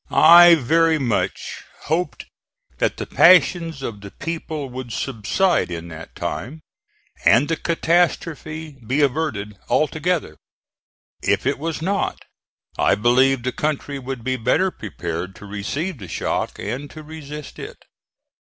I very much hoped that the passions of the people would subside in that time, and the catastrophe be averted altogether; if it was not, I believed the country would be better prepared to receive the shock and to resist it.